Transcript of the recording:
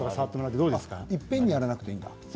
いっぺんにやらなくていいんだ。